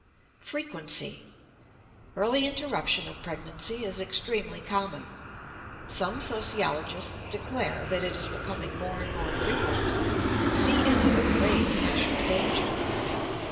FREQUENCY. Early interruption of pregnancy is extremely common. Some sociologists declare that it is becoming more and more frequent, and see in it a grave national danger.